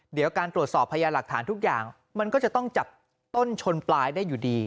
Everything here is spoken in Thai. เดี๋ยวการตรวจสอบพยานหลักฐานทุกอย่างมันก็จะต้องจับต้นชนปลายได้อยู่ดี